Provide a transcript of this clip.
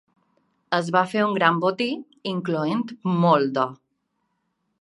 Es va fer un gran botí incloent molt d'or.